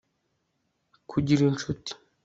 Kugira inshuti